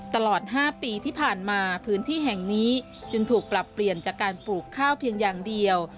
ตลอด๕ปีที่ผ่านมาพื้นที่แห่งนี้จึงถูกปรับเปลี่ยนจากการปลูกข้าวเพียงอย่างเดียว